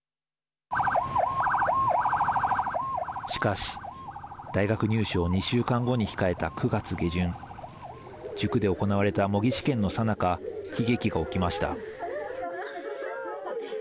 しかし、大学入試を２週間後に控えた９月下旬塾で行われた模擬試験のさなか悲劇が起きました。